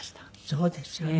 そうですよね。